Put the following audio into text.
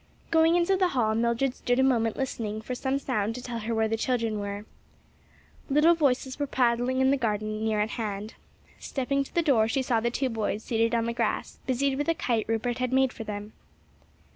Going into the hall, Mildred stood a moment listening for some sound to tell her where the children were. Little voices were prattling in the garden near at hand. Stepping to the door she saw the two boys seated on the grass busied with a kite Rupert had made for them.